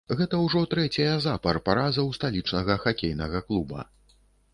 Гэта ўжо трэцяя запар параза ў сталічнага хакейнага клуба.